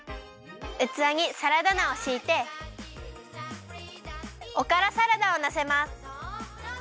うつわにサラダ菜をしいておからサラダをのせます。